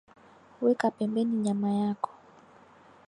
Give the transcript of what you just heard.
weka pembeni nyama yako